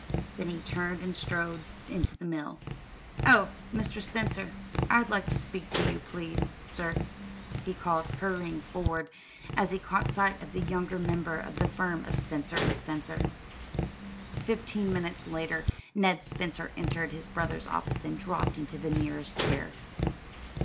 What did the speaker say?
Then he turned and strode into the mill. "Oh, Mr. Spencer, I'd like to speak to you, please, sir," he called, hurrying forward, as he caught sight of the younger member of the firm of Spencer & Spencer. Fifteen minutes later Ned Spencer entered his brother's office, and dropped into the nearest chair.